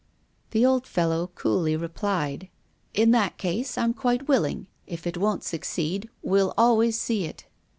The old fellow coolly replied: "In that case I'm quite willing. If it won't succeed, we'll always see it."